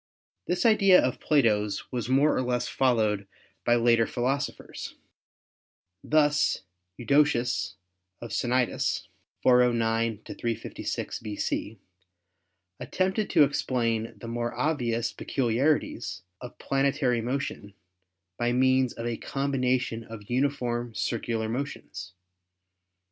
This idea of Plato's was more or less followed by later philosophers. Thus Eudoxus of Cnidus (409 356 B.C.) at tempted to explain the more obvious peculiarities of plane tary motion by means of a combination of uniform circu lar motions.